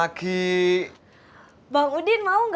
aku mau bantuin mas pur